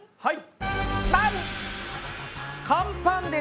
はい。